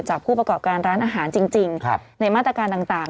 ผู้ประกอบการร้านอาหารจริงในมาตรการต่าง